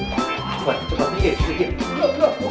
tunggu sebentar pup pup pup